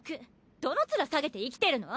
どのツラ下げて生きてるの？